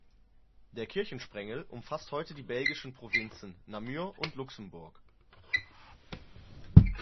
Der Kirchensprengel umfasst heute die belgischen Provinzen Namur und Luxemburg.